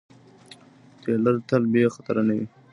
فیلر تل بې خطره نه وي.